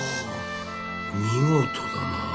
見事だな。